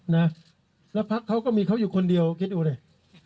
และพรรคเขาก็มีเขาอยู่คนเดียวคิดดูเลย